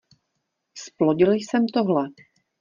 Zplodil jsem tohle